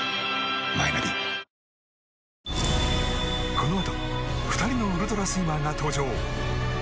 このあと２人のウルトラスイマーが登場。